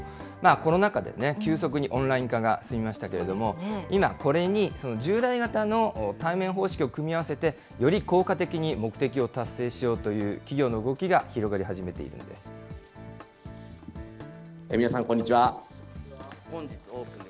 コロナ禍で急速にオンライン化が進みましたけれども、今、これに従来型の対面方式を組み合わせて、より効果的に目的を達成しようという企業の動きが広がり始めてい皆さん、こんにちは。